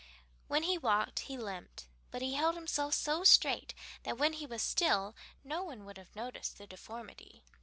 When he walked he limped, but he held himself so straight that when he was still no one would have noticed the deformity.